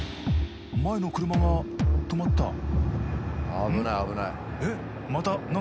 前の車が止まったん？